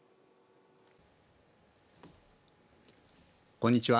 こんにちは。